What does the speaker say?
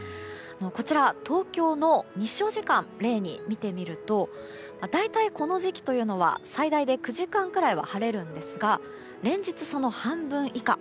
こちら、東京の日照時間を例に見てみると大体、この時期は最大で９時間くらいは晴れるんですが連日、その半分以下。